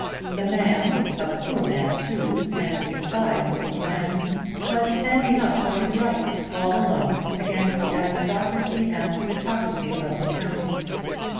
The man, a poor man too and despised in the land, was standing up for his rights, all alone, against the aristocracy and plutocracy of the county.